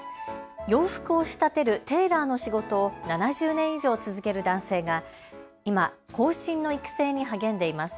洋服を仕立てるテーラーの仕事を７０年以上続ける男性が今、後進の育成に励んでいます。